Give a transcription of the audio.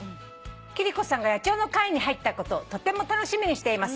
貴理子さんが野鳥の会に入ったことをとても楽しみにしています」